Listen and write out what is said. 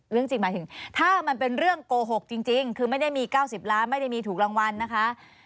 เรื่องจริงหมายถึงถ้ามันเป็นเรื่องโกหกจริงคือไม่ได้มี๙๐ล้านไม่ได้มีถูกรางวัลนะคะ